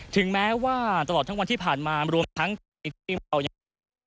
ถึงแม้ว่าตลอดทั้งวันที่ผ่านมารวมทั้งทีที่เรายัง